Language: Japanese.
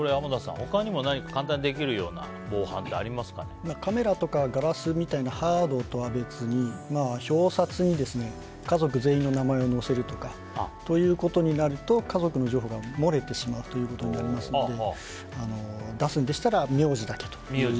他にも簡単にできるような防犯カメラとかガラスみたいなハードとは別に表札に家族全員の名前を載せるとかということになると家族の情報が漏れてしまうことになりますので出すんでしたら名字だけと。